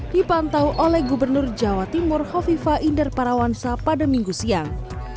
dipantau oleh gubernur jawa timur hovifa inder parawansa pada minggu siang